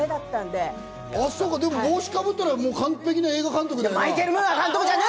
でも、帽子かぶったら完璧な映画監督だね。